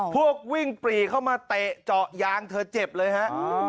พวกวิ่งปรีเข้ามาเตะเจาะยางเธอเจ็บเลยฮะ